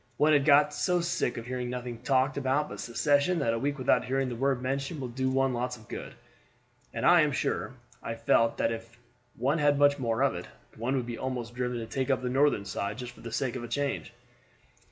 One had got so sick of hearing nothing talked about but secession that a week without hearing the word mentioned will do one lots of good, and I am sure I felt that if one had much more of it, one would be almost driven to take up the Northern side just for the sake of a change."